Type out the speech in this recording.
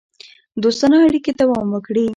دوستانه اړیکې دوام وکړي.